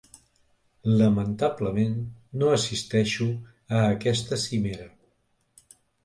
Lamentablement, no assisteixo a aquesta cimera.